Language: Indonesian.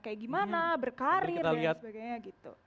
kayak gimana berkarir dan sebagainya gitu